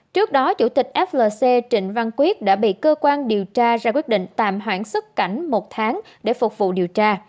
trước đó chủ tịch flc trịnh văn quyết đã bị cơ quan điều tra ra quyết định tạm hoãn sức cảnh một tháng để phục vụ điều tra